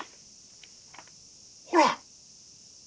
ほら！